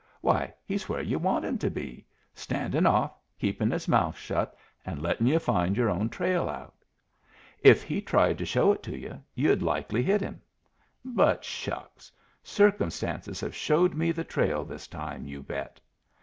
Why, he's where yu' want him to be. Standin' off, keepin' his mouth shut, and lettin' yu' find your own trail out. If he tried to show it to yu', yu'd likely hit him. But shucks! Circumstances have showed me the trail this time, you bet!"